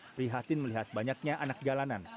prihatin melihat banyaknya anak jalanan